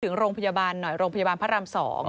ถึงโรงพยาบาลหน่อยโรงพยาบาลพระราม๒